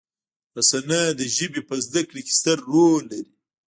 رسنۍ د ژبې په زده کړې کې ستر رول لري.